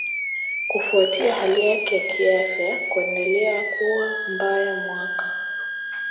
Kufuatia hali yake kiafya kuendelea kuwa mbaya mwaka